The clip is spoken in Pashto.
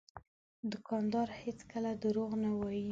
دوکاندار هېڅکله دروغ نه وایي.